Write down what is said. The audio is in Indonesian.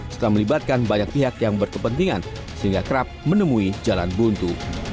setelah melibatkan banyak pihak yang berkepentingan sehingga kerap menemui jalan buntu